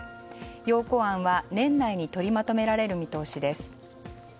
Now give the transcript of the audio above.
要綱案は年内に取りまとめられる見通しです。